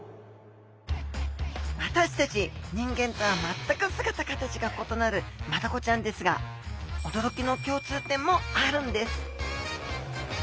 私たち人間とは全く姿形がことなるマダコちゃんですが驚きの共通点もあるんです